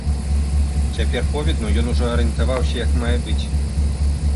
Цяпер повідну ён ужо арыентаваўся як мае быць.